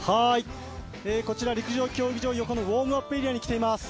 こちら陸上競技場横のウオームアップエリアに来ています。